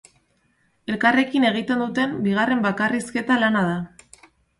Elkarrekin egiten duten bigarren bakarrizketa lana da.